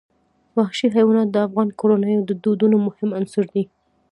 وحشي حیوانات د افغان کورنیو د دودونو مهم عنصر دی.